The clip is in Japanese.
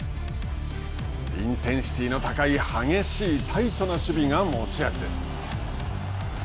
インテンシティーの激しいタイトな守備が持ち味です。